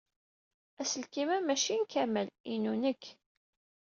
Aselkim-a maci n Kamal. Inu nekk.